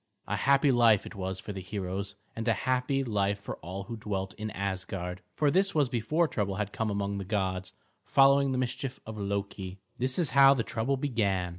A happy life it was for the heroes, and a happy life for all who dwelt in Asgard; for this was before trouble had come among the gods, following the mischief of Loki. This is how the trouble began.